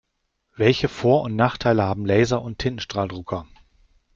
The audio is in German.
Welche Vor- und Nachteile haben Laser- und Tintenstrahldrucker?